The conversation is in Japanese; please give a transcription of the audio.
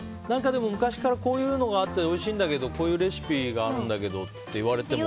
昔からこういうのがあっておいしいんだけどこういうレシピあるんだけどって言われても。